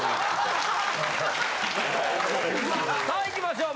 さあいきましょう